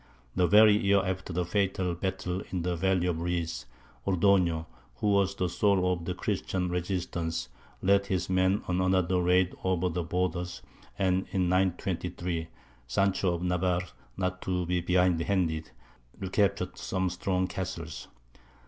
The very year after the fatal battle in the Valley of Reeds, Ordoño, who was the soul of the Christian resistance, led his men on another raid over the borders; and in 923 Sancho of Navarre, not to be behindhand, recaptured some strong castles.